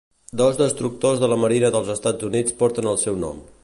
Dos destructors de la Marina dels Estats Units porten el seu nom.